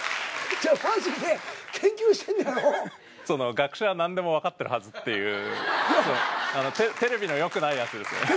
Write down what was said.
学者は何でも分かってるはずっていうテレビのよくないやつですね。